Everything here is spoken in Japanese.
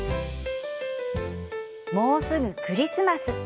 もうすぐクリスマス